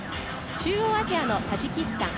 中央アジアのタジキスタン。